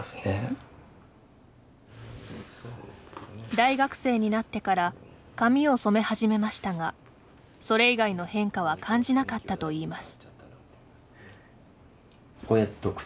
大学生になってから髪を染め始めましたがそれ以外の変化は感じなかったといいます。